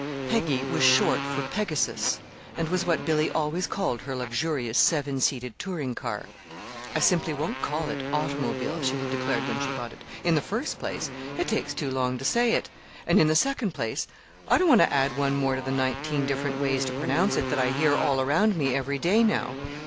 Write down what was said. "Peggy" was short for "Pegasus," and was what Billy always called her luxurious, seven seated touring car. "I simply won't call it 'automobile,'" she had declared when she bought it. "In the first place, it takes too long to say it, and in the second place, I don't want to add one more to the nineteen different ways to pronounce it that I hear all around me every day now.